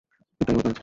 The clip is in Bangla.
এটাই ওর কাজ!